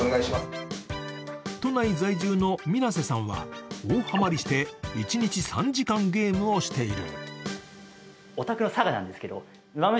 都内在住の水無瀬さんは大ハマリして、一日３時間ゲームをしている。